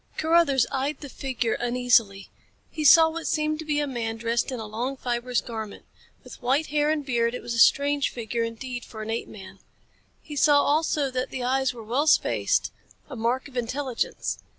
Carruthers eyed the figure uneasily. He saw what seemed to be a man dressed in a long, fibrous garment. With white hair and beard, it was a strange figure indeed for an apeman. He saw also that the eyes were well spaced, a mark of intelligence.